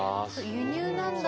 輸入なんだ。